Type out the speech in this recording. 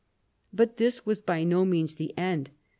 But this was by no means the end.